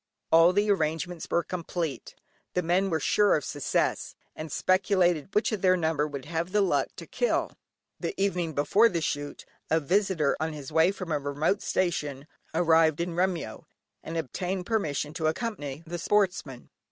All the arrangements were complete; the men were sure of success, and speculated which of their number would have the luck to kill. The evening before the shoot, a visitor on his way from a remote station, arrived in Remyo, and obtained permission to accompany the sportsmen.